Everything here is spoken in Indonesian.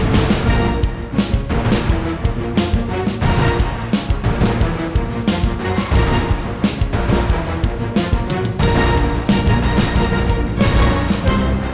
bukan orang pengecot kayak lo